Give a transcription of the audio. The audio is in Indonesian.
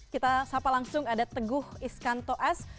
kita sapa langsung ada teguh iskantoas